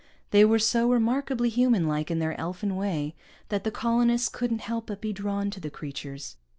They were so remarkably human like in their elfin way that the colonists couldn't help but be drawn to the creatures.